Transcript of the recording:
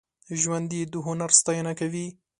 ژوندي د هنر ستاینه کوي